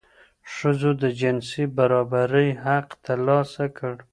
ښځو د جنسیتي برابرۍ حق ترلاسه کړ.